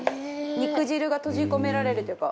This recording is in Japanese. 肉汁が閉じ込められるというか。